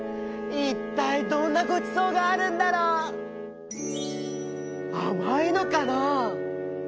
いったいどんなごちそうがあるんだろう？あまいのかな？